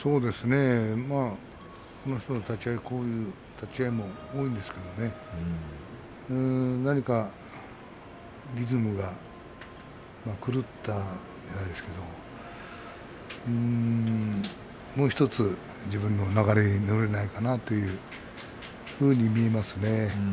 この人の立ち合いはこういう立ち合いも多いんですがなにかリズムが狂ったではないですがもうひとつ自分の流れに乗れないかなというふうに見えますね。